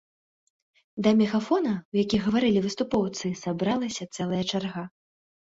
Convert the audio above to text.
Да мегафона, у які гаварылі выступоўцы, сабралася цэлая чарга.